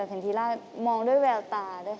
แล้วก็มองตั้งแต่แบบเห็นทีล่ะมองด้วยแววตาด้วยค่ะ